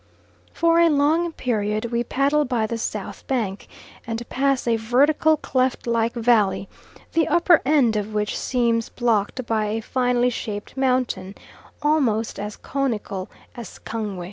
For a long period we paddle by the south bank, and pass a vertical cleft like valley, the upper end of which seems blocked by a finely shaped mountain, almost as conical as Kangwe.